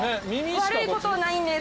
悪いことないんです。